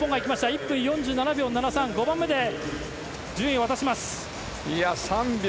１分４７秒７３、５番目で順位を渡します。